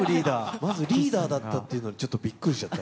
まずリーダーだったっていうのにちょっとびっくりしちゃった。